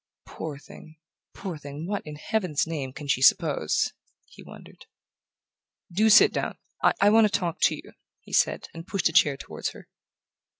"Poor thing ... poor thing ... what in heaven's name can she suppose?" he wondered. "Do sit down I want to talk to you," he said and pushed a chair toward her.